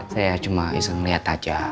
saya cuma iseng liat aja